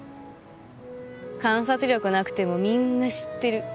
観察力なくてもみんな知ってる。